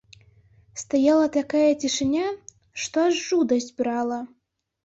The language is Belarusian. Стаяла такая цішыня, што аж жудасць брала.